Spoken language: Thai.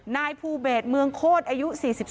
นายภูเบศมโคชต์อายุ๔๓